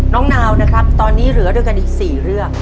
นาวนะครับตอนนี้เหลือด้วยกันอีก๔เรื่อง